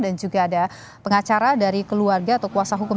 dan juga ada pengacara dari keluarga atau kuasa hukum